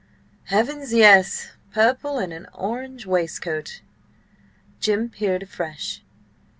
"Heavens, yes! Purple, and an orange waistcoat!" Jim peered afresh.